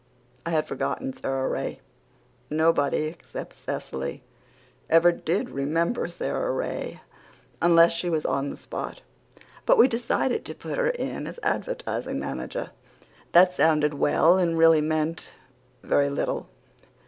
I had forgotten Sara Ray. Nobody, except Cecily, ever did remember Sara Ray unless she was on the spot. But we decided to put her in as advertising manager. That sounded well and really meant very little.